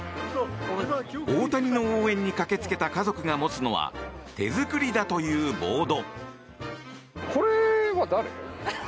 大谷の応援に駆けつけた家族が持つのは手作りだというボード。